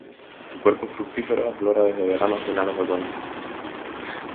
El cuerpo fructífero aflora desde verano a finales de otoño.